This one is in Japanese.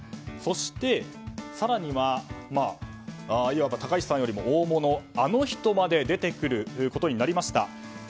そして、更にはいわば高市さんよりも大物あの人まで出てくることになりました。